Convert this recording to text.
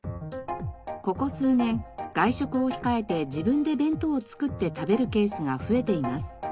ここ数年外食を控えて自分で弁当を作って食べるケースが増えています。